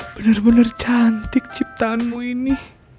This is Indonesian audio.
bener bener cantik ciptaanmu ini